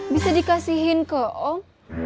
bisa dikasihin ke om